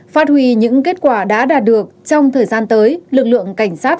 phát huy những kết quả đã đạt được trong thời gian tới lực lượng cảnh sát